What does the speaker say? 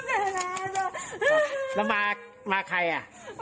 อ่าแล้วมามาใครอ่ะ